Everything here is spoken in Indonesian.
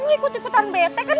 ngikut ikutan bete kan